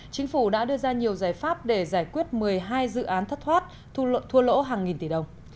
chính phủ đã đưa ra nhiều giải pháp để giải quyết một mươi hai dự án thất thoát thu luận thua lỗ hàng nghìn tỷ đồng